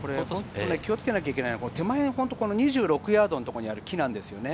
気をつけなければいけないのは手前２６ヤードのところにある木です。